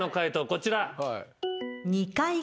こちら。